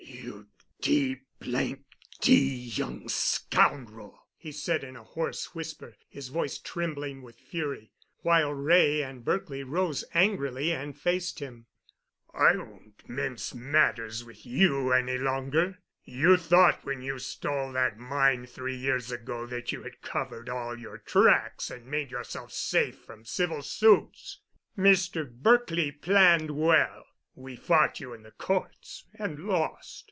"You d—d young scoundrel," he said in a hoarse whisper, his voice trembling with fury, while Wray and Berkely rose angrily and faced him. "I won't mince matters with you any longer. You thought when you stole that mine three years ago that you had covered all your tracks and made yourself safe from civil suits. Mr. Berkely planned well. We fought you in the courts and lost.